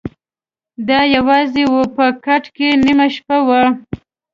د ا یوازي وه په کټ کي نیمه شپه وه